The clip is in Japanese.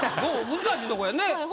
難しいとこやね。